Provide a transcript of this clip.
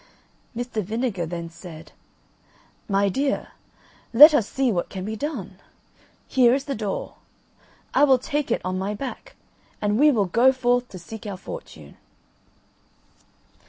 Mr. Vinegar then said: "My dear, let us see what can be done. Here is the door; I will take it on my back, and we will go forth to seek our fortune."